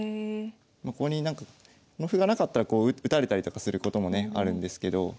ここになんかこの歩がなかったらこう打たれたりとかすることもねあるんですけど。